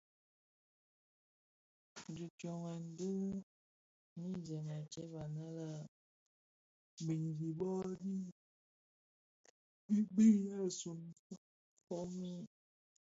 Di tsyoghèn bi nynzèn a tsèb anë a binzi bo dhi binèsun fomin.